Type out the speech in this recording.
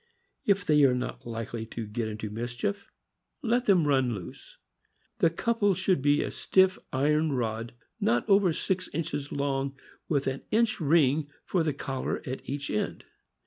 If they are not likely to get into mischief, let them run loose. The couple should be a stiff iron rod, not over six inches long, with an inch ring for the collar at each end.